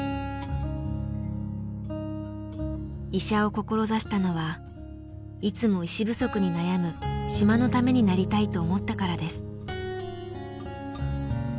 医者を志したのはいつも医師不足に悩む島のためになりたいと思ったからです。